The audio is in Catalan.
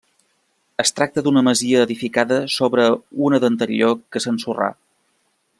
Es tracta d'una masia edificada sobre una d'anterior que s'ensorrà.